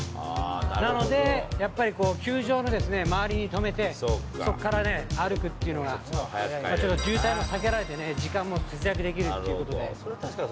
なので、やっぱりこう、球場の周りに止めて、そこから歩くっていうのが、ちょっと渋滞も避けられてね、時間も節約できるってことで。